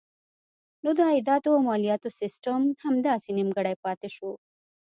نو د عایداتو او مالیاتو سیسټم همداسې نیمګړی پاتې شو.